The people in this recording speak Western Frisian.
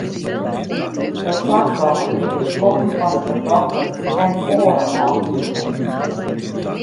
It slachtoffer krige skoppen fan de fertochte en in oare man.